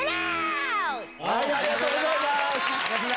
ありがとうございます！